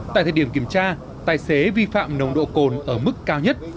tại thời điểm kiểm tra tài xế vi phạm nồng độ cồn ở mức cao nhất